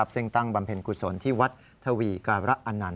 เซ็งตั้งบำเพ็ญกุศลที่วัดถวีการะอันนาน